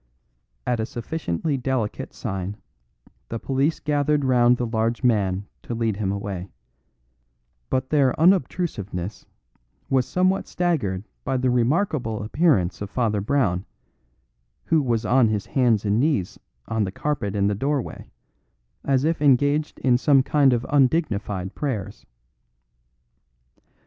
At a sufficiently delicate sign, the police gathered round the large man to lead him away; but their unobtrusiveness was somewhat staggered by the remarkable appearance of Father Brown, who was on his hands and knees on the carpet in the doorway, as if engaged in some kind of undignified prayers.